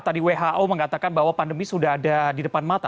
tadi who mengatakan bahwa pandemi sudah ada di depan mata